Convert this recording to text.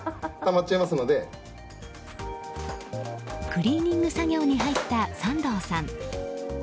クリーニング作業に入った山藤さん。